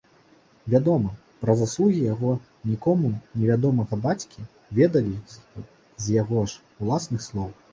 Вядома, пра заслугі яго нікому невядомага бацькі ведалі з яго ж уласных слоў.